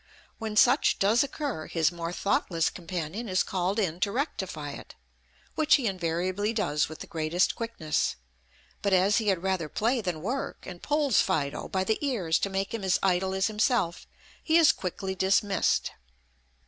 When such does occur, his more thoughtless companion is called in to rectify it, which he invariably does with the greatest quickness; but as he had rather play than work, and pulls Fido by the ears to make him as idle as himself, he is quickly dismissed.